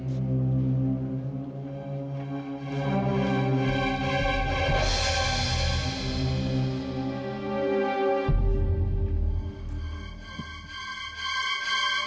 seolah olah eseap surat itu kamu akan lebih yakin